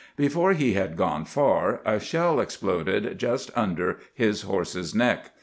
Before he had gone far a shell exploded just under his horse's neck.